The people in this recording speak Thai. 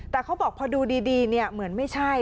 แต่เขาบอกพอดูดีเหมือนไม่ใช่